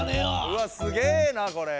うわすげなこれ。